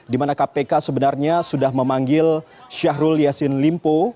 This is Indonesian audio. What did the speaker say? di mana kpk sebenarnya sudah memanggil syahrul yassin limpo